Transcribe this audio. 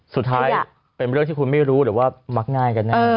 สุดท้ายเป็นเรื่องที่คุณไม่รู้หรือว่ามักง่ายกันแน่